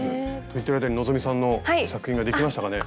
と言ってる間に希さんの作品ができましたかね。